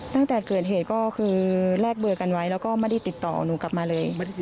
ตั้งแต่เกิดเหตุแรกเบอร์กันไว้ไม่ได้ติดต่อกับเราเลย